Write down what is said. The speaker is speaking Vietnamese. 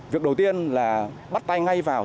việc đầu tiên là bắt tay ngay vào